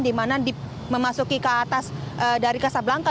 di mana memasuki ke atas dari kasab langka